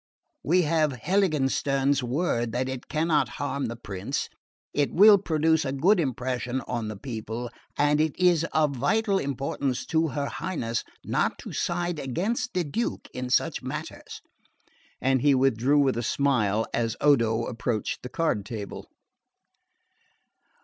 We have Heiligenstern's word that it cannot harm the prince, it will produce a good impression on the people, and it is of vital importance to her Highness not to side against the Duke in such matters." And he withdrew with a smile as Odo approached the card table.